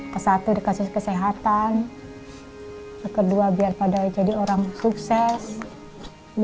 mental mamyk kita tidak lagi procedur dengan laku ini